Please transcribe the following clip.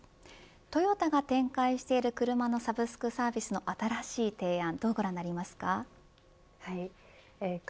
トヨタが展開している車のサブスクサービスの新しい提案どうご覧になりますか。